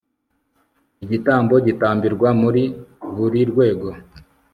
igitambo gitambirwa muri buri rwego